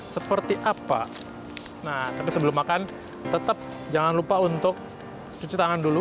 seperti apa nah tapi sebelum makan tetap jangan lupa untuk cuci tangan dulu